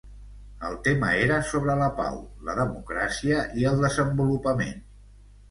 El tema era sobre la pau, la democràcia i el desenvolupament.